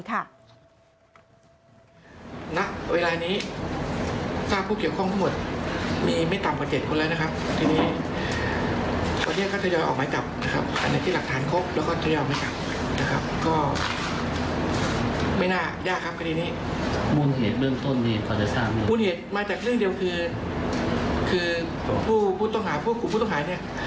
มูลเหตุมาจากแค่เรื่องเดียวคือคือผู้ต้องหาผู้ขุมผู้ต้องหาเนี่ย